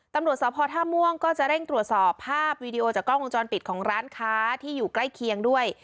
ตำรวจสภท่าม่วงก็จะเร่งตรวจสอบภาพวีดีโอจากกล้องวงจรปิดของร้านค้าที่อยู่ใกล้เคียงด้วย